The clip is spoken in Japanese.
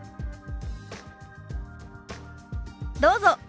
どうぞ。